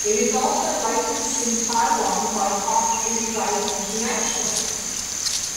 It is also licensed in Taiwan by Top-Insight International.